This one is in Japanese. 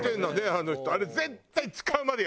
あの人。